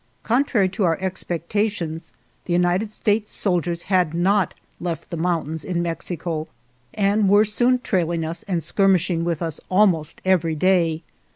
Contrary to our expectations the United States soldiers had not left the mountains in Mexico, and were soon trailing us and skir mishing with us almost every day.